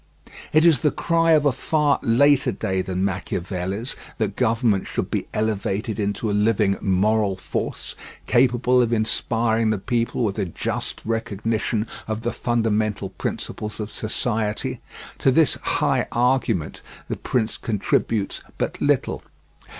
It is the cry of a far later day than Machiavelli's that government should be elevated into a living moral force, capable of inspiring the people with a just recognition of the fundamental principles of society; to this "high argument" The Prince contributes but little.